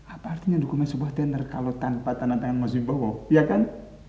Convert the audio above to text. apa artinya dukungan sebuah tender kalau tanpa tantatangan mas mpowo ya kan